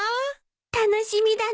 楽しみだな